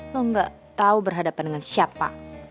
lo ga tau berhadapan dengan siapa